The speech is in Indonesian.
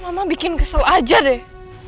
mama bikin kesel aja deh